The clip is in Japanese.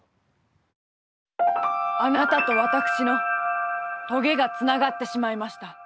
あなたと私の棘がつながってしまいました。